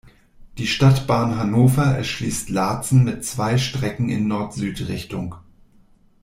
Die Stadtbahn Hannover erschließt Laatzen mit zwei Strecken in Nord-Süd-Richtung.